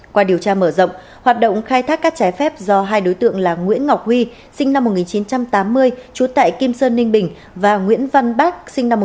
qua điều tra mở rộng hoạt động khai thác cát trái phép do hai đối tượng là nguyễn ngọc huy sinh năm một nghìn chín trăm tám mươi trú tại kim sơn ninh bình và nguyễn văn bác sinh năm một nghìn chín trăm tám mươi bảy